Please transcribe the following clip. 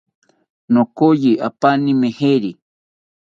Nokoyi apani meyiri